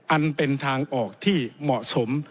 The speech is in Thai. อันเป็นทางออกที่เหมาะสม